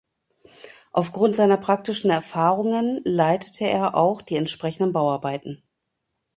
Aufgrund seiner praktischen Erfahrungen leitete er auch die entsprechenden Bauarbeiten.